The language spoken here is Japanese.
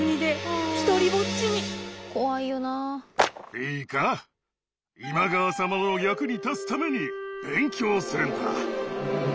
いいか今川様の役に立つために勉強するんだ。